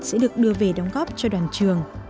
sẽ được đưa về đóng góp cho đoàn trường